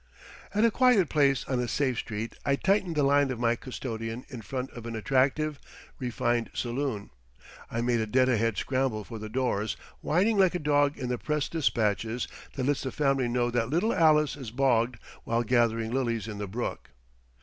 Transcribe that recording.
At a quiet place on a safe street I tightened the line of my custodian in front of an attractive, refined saloon. I made a dead ahead scramble for the doors, whining like a dog in the press despatches that lets the family know that little Alice is bogged while gathering lilies in the brook.